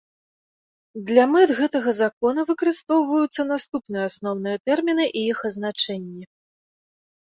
Для мэт гэтага Закона выкарыстоўваюцца наступныя асноўныя тэрмiны i iх азначэннi.